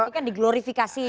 ini kan di glorifikasi